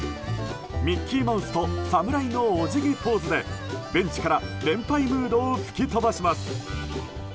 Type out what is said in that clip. ミッキーマウスと侍のお辞儀ポーズでベンチから連敗ムードを吹き飛ばします。